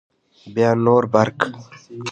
بیا نور برق